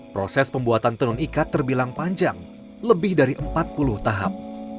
proses pembuatan tenun ikat terbilang panjang lebih dari empat puluh tahap